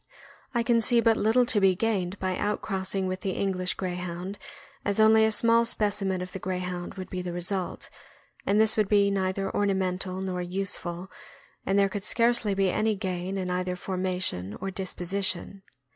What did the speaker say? I can see but little to be gained by outcrossing with the English Greyhound, as only a small specimen of the Grey hound would be the result, and this would be neither orna mental nor useful, and there could scarcely be any gain in either formation or disposition.